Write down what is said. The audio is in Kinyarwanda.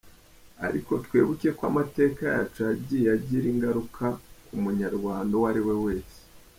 Ariko twibuke ko amateka yacu yagiye agira ingaruka ku munyarwanda uwo ariwe wese.